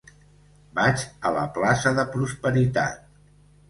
Vaig a la plaça de Prosperitat.